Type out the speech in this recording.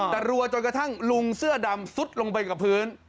แต่รัวจนกระทั่งลุงเสื้อดำซุดลงไปกับพื้น